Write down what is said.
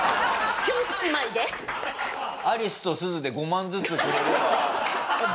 アリスとすずで５万ずつくれれば。